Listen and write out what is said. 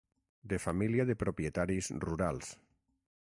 De família de propietaris rurals.